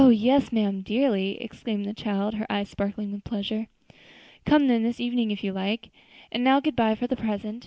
yes, ma'am, dearly!" exclaimed the child, her eyes sparkling with pleasure. "Come then this evening, if you like; and now goodbye for the present."